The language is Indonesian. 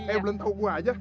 eh belum tau gue aja